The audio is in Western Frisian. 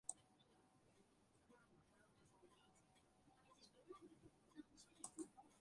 Nee, it is fuortby.